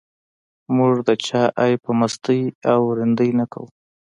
موږ د چا عیب په مستۍ او رندۍ نه کوو.